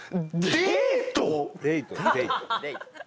「デート！？」